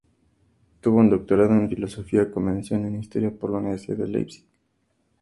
Tuvo un doctorado en filosofía, con mención en historia por la Universidad de Leipzig.